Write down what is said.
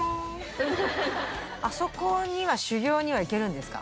あそこには修業には行けるんですか？